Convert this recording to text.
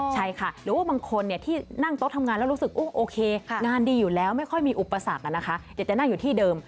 ใช่ค่ะหรือว่าบางคนที่นั่งโต๊ะทำงานแล้วรู้สึกโอเคงานดีอยู่แล้วไม่ค่อยมีอุปสรรคนะคะอยากจะนั่งอยู่ที่เดิม